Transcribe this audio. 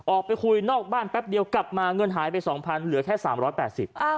ออกไปคุยนอกบ้านแป๊บเดียวกลับมาเงินหายไปสองพันเหลือแค่สามร้อยแปดสิบอ่า